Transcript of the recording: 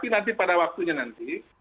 nanti pada waktunya nanti